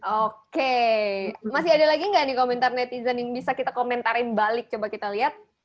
oke masih ada lagi nggak nih komentar netizen yang bisa kita komentarin balik coba kita lihat